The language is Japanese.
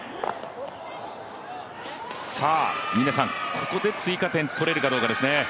ここで追加点取れるかどうかですね。